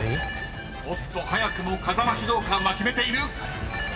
［おっと？早くも風間指導官は決めている］